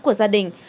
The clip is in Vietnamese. của gia đình